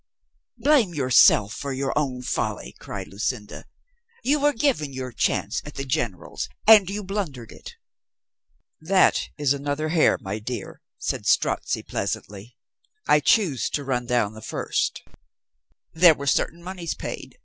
"Blame yourself for your own folly," cried Lu cinda. "You were given your chance at the generals and you blundered it." "That is another hare, my dear," said Strozzi pleasantly. "I choose to run down the first. There were certain moneys paid.